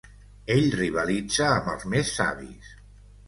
Ell rivalitza amb els més savis.